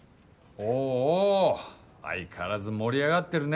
おお相変わらず盛り上がってるね。